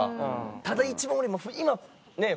ただ一番俺今ねっ。